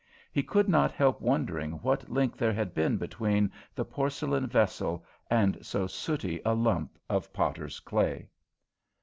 He could not help wondering what link there had been between the porcelain vessel and so sooty a lump of potter's clay.